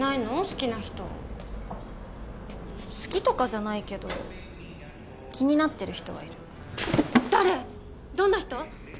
好きな人好きとかじゃないけど気になってる人はいる誰どんな人？